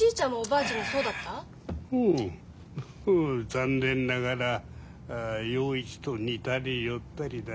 残念ながら洋一と似たり寄ったりだった。